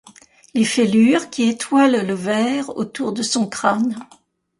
Les fêlures qui étoilent le verre autour de son crâne.